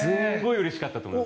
うれしかったと思います。